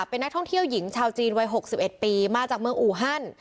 เป็นนักท่องเที่ยวหญิงชาวจีนวัย๖๑ปีมาจากเมืองอูฮัน